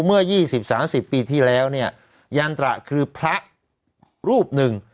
เมื่อ๒๐๓๐ปีที่แล้วเนี่ยยันตระคือพระรูปหนึ่ง